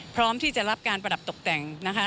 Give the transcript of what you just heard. พร้อมที่จะรับการประดับตกแต่งนะคะ